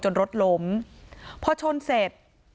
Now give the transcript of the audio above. รถล้มพอชนเสร็จ